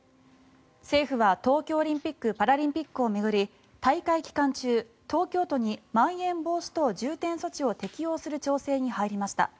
政府は東京オリンピック・パラリンピックを巡り大会期間中、東京都にまん延防止等重点措置を適用する調整に入りました。